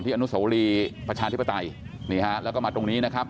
ที่อนุโสหรี่ประชาธิปไตรแล้วก็มาตรงนี้นะครับ